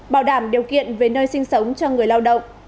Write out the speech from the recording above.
bảo đảm điều kiện về nơi sinh sống cho người lao động